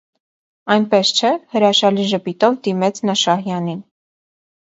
Այնպես չէ՞,- հրաշալի ժպիտով դիմեց նա Շահյանին: